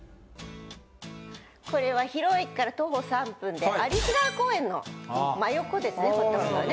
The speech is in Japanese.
これは広尾駅から徒歩３分で有栖川公園の真横ですね。